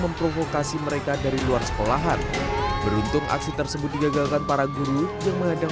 memprovokasi mereka dari luar sekolahan beruntung aksi tersebut digagalkan para guru yang menghadang